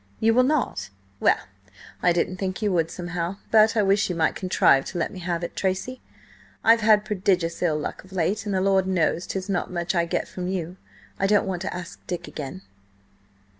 "You will not? Well; I didn't think you would somehow! But I wish you might contrive to let me have it, Tracy. I've had prodigious ill luck of late, and the Lord knows 'tis not much I get from you! I don't want to ask Dick again."